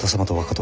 殿。